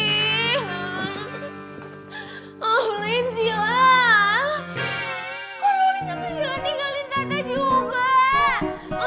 kok oli sampe jangan tinggalin tata juga